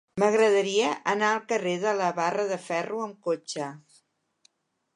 M'agradaria anar al carrer de la Barra de Ferro amb cotxe.